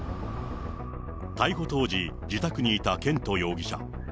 逮捕当時、自宅にいた絢斗容疑者。